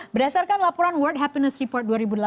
berdasarkan laporan world happiness report dua ribu delapan belas